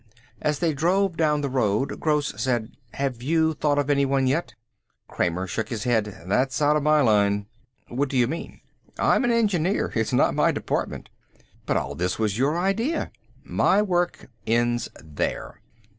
As they drove down the road, Gross said, "Have you thought of anyone yet?" Kramer shook his head. "That's out of my line." "What do you mean?" "I'm an engineer. It's not in my department." "But all this was your idea." "My work ends there."